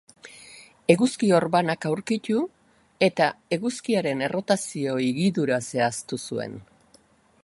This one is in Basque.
Eguzki-orbanak aurkitu eta eguzkiaren errotazio higidura zehaztu zuen.